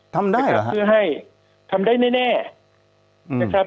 ทำได้เหรอนะครับเพื่อให้ทำได้แน่แน่นะครับ